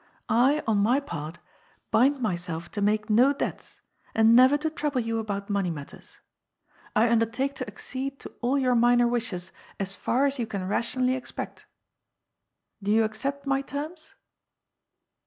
I, on my part, bind myself to make no debts, and never to trouble you about money matters. I undertake to accede to all A PAKTNEESHIP WITH LIMITED LIABILITY. 251 your minor wishes as far as yon can rationally expect. Do you accept my terms